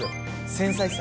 繊細さ。